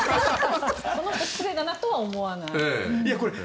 失礼だなとは思わない？